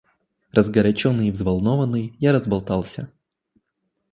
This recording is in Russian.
Разгоряченный и взволнованный, я разболтался.